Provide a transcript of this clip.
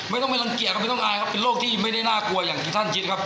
ไม่ต้องไปรังเกียจครับไม่ต้องอายครับเป็นโรคที่ไม่ได้น่ากลัวอย่างที่ท่านคิดครับ